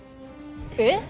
えっ！？